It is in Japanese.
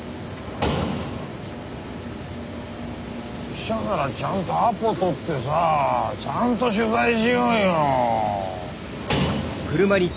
記者ならちゃんとアポ取ってさちゃんと取材しようよ。